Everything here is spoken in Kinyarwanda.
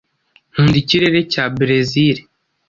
Nkunda ikirere cya Berezile.